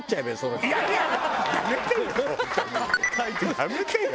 やめてよ！